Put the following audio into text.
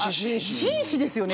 紳士ですよね